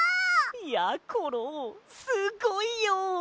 やころすごいよ！